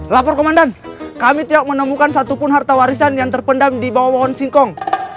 lapor komandan kami tidak menemukan satupun harta warisan yang terpendam di bawah pohon singkong